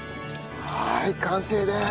はい完成です。